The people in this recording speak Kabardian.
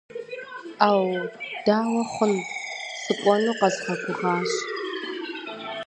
Ӏэу, дауэ хъун, сыкӏуэну къэзгъэгугъащ.